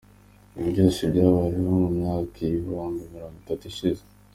Ibi byose byabayeho mu myaka ibihumbi mirongo itatu ishize.